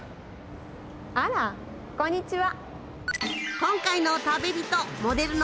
あらこんにちは。